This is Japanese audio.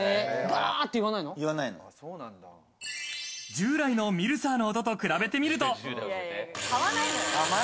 従来のミルサーの音と比べてみると。